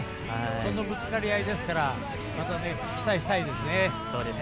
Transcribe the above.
そのぶつかり合いですから期待したいですね。